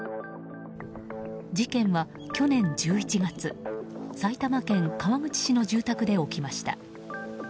事件は去年１１月埼玉県川口市の住宅で起きました。